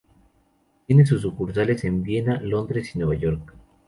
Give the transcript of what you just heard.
Tiene sus sucursales en Viena, Londres y Nueva York.